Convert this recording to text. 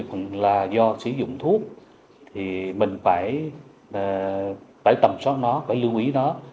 phải tầm soát nó phải lưu ý nó